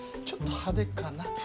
ちょっと派手かな？